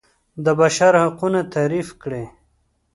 د بشر حقونه تعریف کړي.